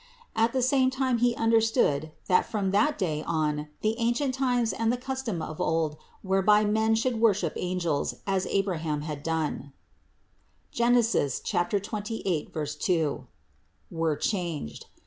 At the same time he understood that from that day on the ancient times and the custom of old whereby men should worship angels, as Abraham had done (Gen. 28, 106 CITY OF GOD 2), were changed.